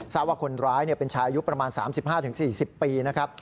ทราบว่าคนร้ายเป็นชายอายุประมาณ๓๕๔๐ปีนะครับ